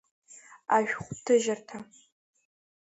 Ашәҟәҭыжьырҭа.